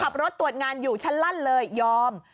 ขับรถตรวจงานอยู่ชันลั่นเลยยอม